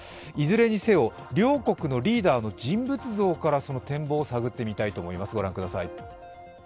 いずれにせよ両国のリーダーの人物像からその展望を探ってみたいと思います。